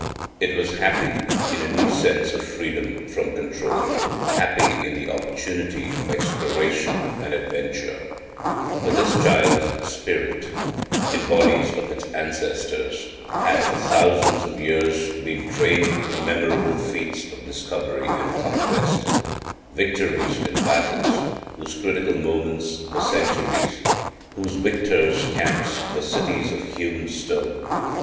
It was happy in a new sense of freedom from control, happy in the opportunity of exploration and adventure; for this child's spirit, in bodies of its ancestors, had for thousands of years been trained to memorable feats of discovery and conquest victories in battles whose critical moments were centuries, whose victors' camps were cities of hewn stone.